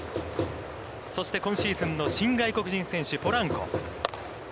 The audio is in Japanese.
そして、今シーズンの新外国人選手、ポランコ。